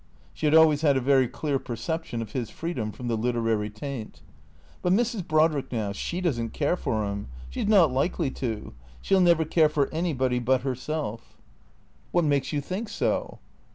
She had always had a very clear perception of his freedom from the literary taint. " But Mrs, Brodrick now — she does n't care for 'im. She 's not likely to. She '11 never care for anybody but herself." 502 THECEEATORS " What makes you think so